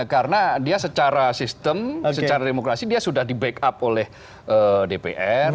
karena dia secara sistem secara demokrasi dia sudah di back up oleh dpr